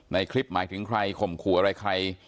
ในคลิปหมายถึงใครข่มขู่อะไรใคร